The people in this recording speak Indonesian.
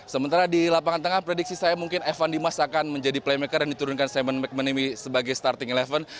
sementara di lapangan tengah prediksi saya mungkin evan dimas akan menjadi playmaker dan diturunkan simon mcmanamy sebagai starting eleven